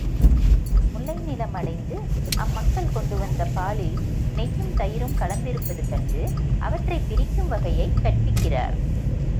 முல்லை நிலம் அடைந்து அம்மக்கள் கொண்டுவந்த பாலில் நெய்யும், தயிரும் கலந்திருப்பது கண்டு அவற்றைப் பிரிக்கும் வகையைக் கற்பிக்கிறார்.